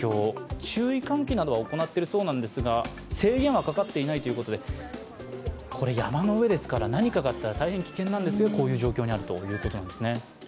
注意喚起などは行っているそうなんですが、制限はかかっていないということで、山の上ですから何かがあったら大変危険なんですが、こういう状況にあるということなんですね。